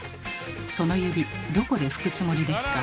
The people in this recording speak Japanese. その指どこで拭くつもりですか？